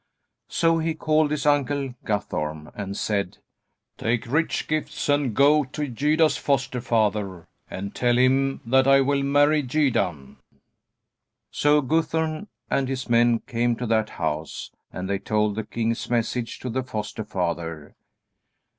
So he called his uncle, Guthorm, and said: "Take rich gifts and go to Gyda's foster father and tell him that I will marry Gyda." So Guthorm and his men came to that house and they told the king's message to the foster father.